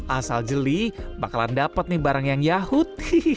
asal jeli bakalan dapat nih barang yang yahut